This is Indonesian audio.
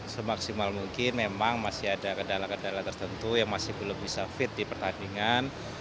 semaksimal mungkin memang masih ada kendala kendala tertentu yang masih belum bisa fit di pertandingan